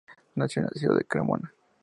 Nació en la ciudad de Cremona.